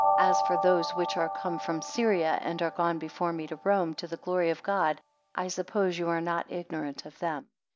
As for those which are come from Syria, and are gone before me to Rome, to the glory of God, I suppose you are not ignorant of them.